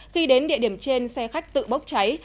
khi đến địa điểm trên xe khách tự bốc cháy